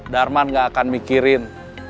darman gak akan mikirin